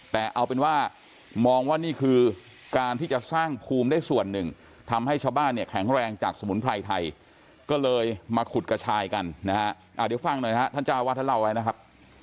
แต่เอาเป็นว่ามองว่านี่คือการที่จะสร้างภูมิได้ส่วนหนึ่งทำให้ชาวบ้านเนี่ยแข็งแรงจากสมุนไพรไทยก็เลยมาขุดกระชายกันนะฮะเดี๋ยวฟังหน่อยนะฮะท่านเจ้าวาดท่านเล่าไว้นะครับ